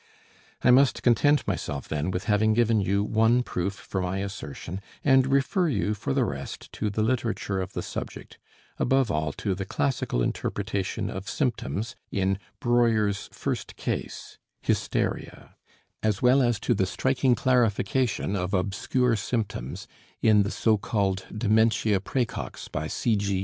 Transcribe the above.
I must content myself then with having given you one proof for my assertion and refer you for the rest to the literature of the subject, above all to the classical interpretation of symptoms in Breuer's first case (hysteria) as well as to the striking clarification of obscure symptoms in the so called dementia praecox by C. G.